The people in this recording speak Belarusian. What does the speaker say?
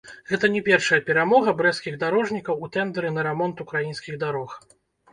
Гэта не першая перамога брэсцкіх дарожнікаў у тэндэры на рамонт украінскіх дарог.